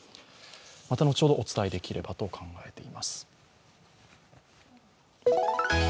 また後ほどお伝えできればと考えています。